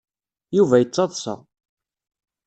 Yuba yettaḍsa.